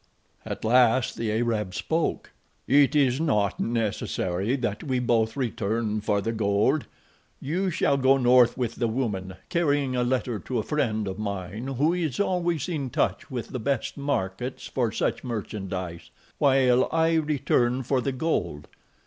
At last the Arab spoke: "It is not necessary that we both return for the gold. You shall go north with the woman, carrying a letter to a friend of mine who is always in touch with the best markets for such merchandise, while I return for the gold.